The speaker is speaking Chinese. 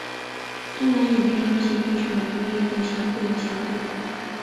东南影评人协会是美国的一个影评人协会。